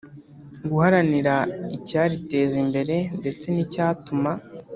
Guharanira icyariteza imbere ndetse n icyatuma